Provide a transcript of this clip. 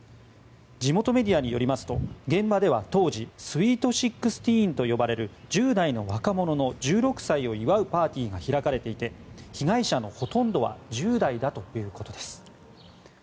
地元メディアによりますと現場では当時スイート１６と呼ばれる１０代の若者の１６歳を祝うパーティーが開かれていて被害者のほとんどは１０代だということです。